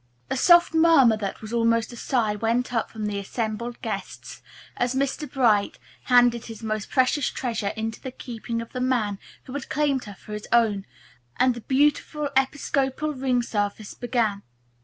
A soft murmur that was almost a sigh went up from the assembled guests as Mr. Bright handed his most precious treasure into the keeping of the man who had claimed her for his own, and the beautiful Episcopal ring service began.